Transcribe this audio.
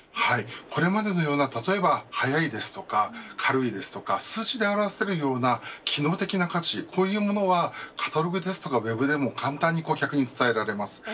これまでのような例えば早いですとか軽いといった数字で表せるような機能的な価値はカタログですとかウェブでも簡単に顧客に伝えられます。